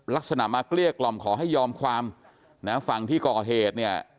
ลักษณะมาเกลี้ยกล่อมขอให้ยอมความนะฝั่งที่ก่อเหตุเนี่ย